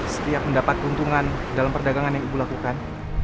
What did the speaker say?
setiap mendapat keuntungan dalam perdagangan yang ibu lakukan